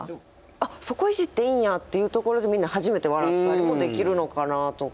あっそこいじっていいんやっていうところでみんな初めて笑ったりもできるのかなとか。